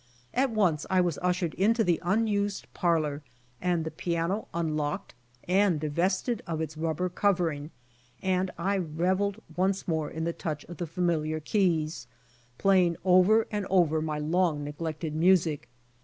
At once I was ushered into the unused parlor and the piano unlocked and divested of its rubber covering, and I reveled once more in the touch of the familiar keys, playing over and over my long neglected music.